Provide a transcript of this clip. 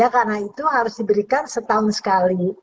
karena itu harus diberikan setahun sekali